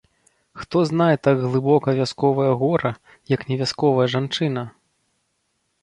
Хто знае так глыбока вясковае гора, як не вясковая жанчына?!